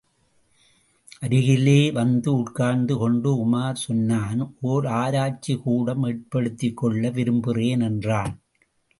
அருகிலே வந்து உட்கார்ந்து கொண்டு உமார் சொன்னான் ஓர் ஆராய்ச்சிகூடம் ஏற்படுத்திக் கொள்ள விரும்புகிறேன் என்றான்.